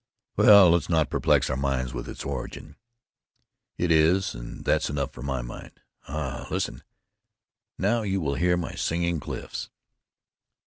"Well, let's not perplex our minds with its origin. It is, and that's enough for any mind. Ah! listen! Now you will hear my Singing Cliffs."